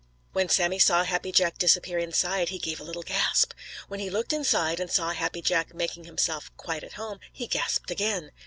When Sammy saw Happy Jack disappear inside he gave a little gasp. When he looked inside and saw Happy Jack making himself quite at home, he gasped again.